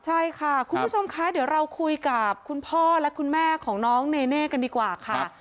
ใช่ค่ะคุณผู้ชมคะเดี๋ยวเราคุยกับคุณพ่อและคุณแม่ของน้องเนเน่กันดีกว่าค่ะ